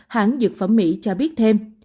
hãng dược phẩm mỹ cho biết thêm